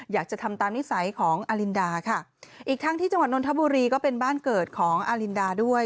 อยากจะทำตามนิสัยของอลินดาค่ะอีกทั้งที่จังหวัดนทบุรีก็เป็นบ้านเกิดของอลินดาด้วย